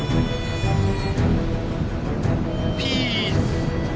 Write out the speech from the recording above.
ピース。